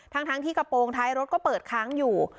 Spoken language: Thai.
ทั้งที่กระโปรงท้ายรถก็เปิดค้างอยู่